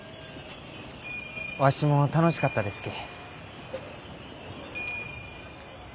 わしも楽しかったですき。